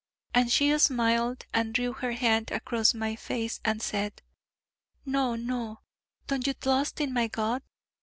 And she smiled, and drew her hand across my face, and said: 'No, no: don't you tlust in my God?